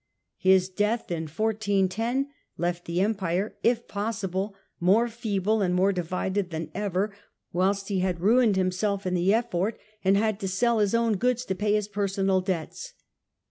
His death in 1410 left the Em pire, if possible, more feeble and mo re divided than ever whilst he had ruined himself in the effort, and had to sell Triple his own goods to pay his personal debts.